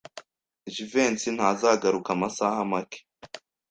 Jivency ntazagaruka amasaha make.